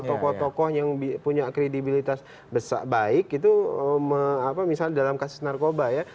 tokoh tokoh yang punya kredibilitas baik itu misalnya dalam kasus narkoba ya